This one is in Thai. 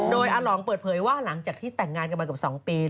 โดยอาหลองเปิดเผยว่าหลังจากที่แต่งงานกันมาเกือบ๒ปี